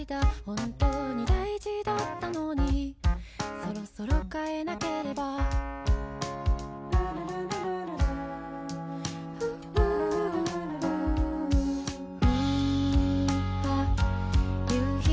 本当に大事だったのにそろそろ変えなければあ、夕陽。